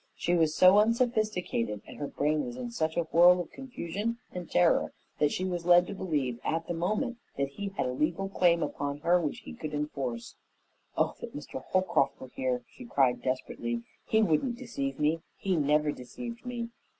She was so unsophisticated, and her brain was in such a whirl of confusion and terror, that she was led to believe at the moment that he had a legal claim upon her which he could enforce. "Oh, that Mr. Holcroft were here!" she cried desperately. "He wouldn't deceive me; he never deceived me."